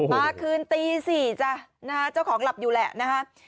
มาคืนตี๔จ้ะนะฮะเจ้าของหลับอยู่แหละนะฮะ